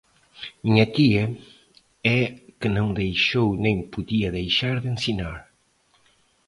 Minha tia é que não deixou nem podia deixar de ensinar